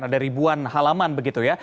ada ribuan halaman begitu ya